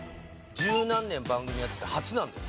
十何年番組やってて初なんですよね？